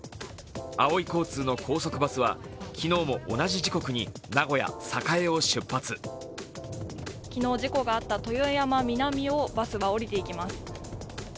あおい交通の高速バスは昨日も同じ時刻に昨日事故があった豊山南をバスは下りていきます。